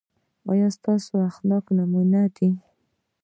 ایا ستاسو اخلاق نمونه دي؟